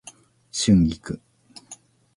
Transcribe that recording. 春菊